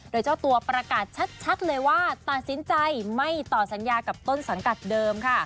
โดยเจ้าตัวประกาศชัดเลยว่าตัดสินใจไม่ต่อสัญญากับต้นสังกัดเดิมค่ะ